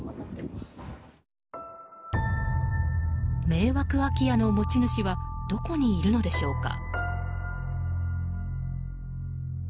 迷惑空き家の持ち主はどこにいるのでしょうか？